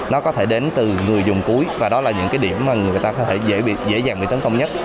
nó có thể đến từ người dùng cuối và đó là những cái điểm mà người ta có thể dễ dàng bị tấn công nhất